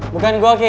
bukan gua ki